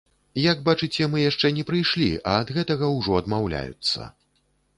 Як бачыце, мы яшчэ не прыйшлі, а ад гэтага ўжо адмаўляюцца.